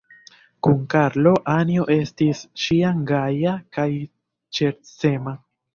Kun Karlo, Anjo estis ĉiam gaja kaj ŝercema.